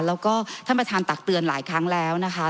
แล้วก็ท่านประธานตักเตือนหลายครั้งแล้วนะคะ